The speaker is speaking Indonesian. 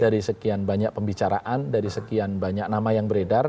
dari sekian banyak pembicaraan dari sekian banyak nama yang beredar